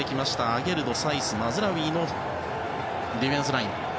アゲルド、サイスマズラウィのディフェンスライン。